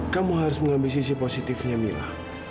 kamu harus mengambil sisi positifnya mila